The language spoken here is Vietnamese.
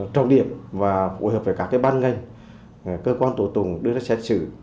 trọng điểm và phối hợp với các ban ngành cơ quan tổ tùng đưa ra xét xử